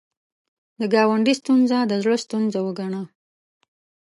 د ګاونډي ستونزه د زړه ستونزه وګڼه